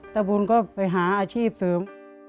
ตะบุญก็ไปหาอาชีพเสริม